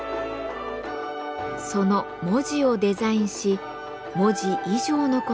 その文字をデザインし文字以上の事を伝える。